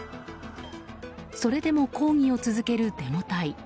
それでも抗議を続けるデモ隊。